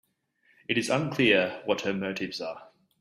It is unclear what her motives are.